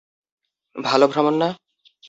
ভালো ভ্রমণ না?